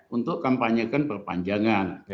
untuk kampanyekan perpanjangan